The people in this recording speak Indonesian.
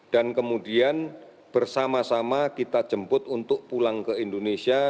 dan kemudian bersama sama kita jemput untuk pulang ke indonesia